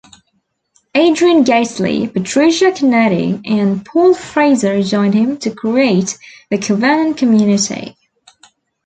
Adrian Gately, Patricia Kennedy, and Paul Frazier joined him to create the Covenant Community.